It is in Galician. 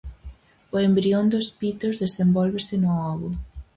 O embrión dos pitos desenvólvese no ovo.